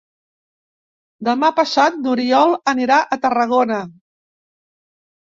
Demà passat n'Oriol anirà a Tarragona.